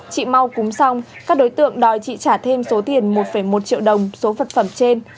chị mau cúng xong các đối tượng đòi chị trả thêm số tiền một một triệu đồng số vật phẩm trên